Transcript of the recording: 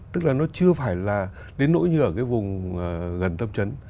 tức là nó chưa phải là đến nỗi như ở cái vùng gần tâm trấn